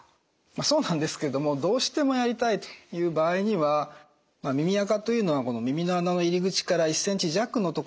そうなんですけれどもどうしてもやりたいという場合には耳あかというのは耳の穴の入り口から１ｃｍ弱のところにたまります。